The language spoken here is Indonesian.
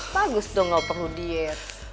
bagus dong gak perlu diet